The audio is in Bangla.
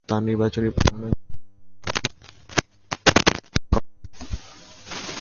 তাঁর নির্বাচনী প্রচারণায় ঘোষিত নীতির মধ্যে অন্যতম হচ্ছে ধনী-দরিদ্র্যের মধ্যে ব্যবধান কমানো।